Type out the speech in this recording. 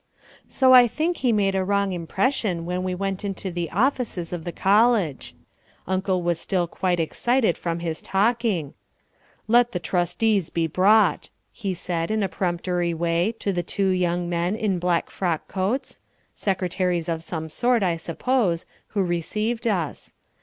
So I think he made a wrong impression when we went into the offices of the college. Uncle was still quite excited from his talking. "Let the trustees be brought," he said in a peremptory way to the two young men in black frock coats, secretaries of some sort, I suppose, who received us.